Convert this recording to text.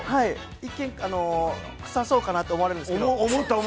一見、くさそうかなって思われるんですけど。